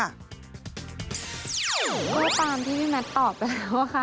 ก็ตามที่แมทตอบไปแล้วค่ะ